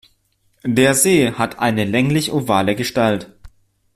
Der See hat eine länglich-ovale Gestalt.